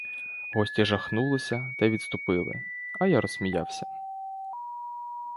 Гості жахнулися та й відступили, а я розсміявся.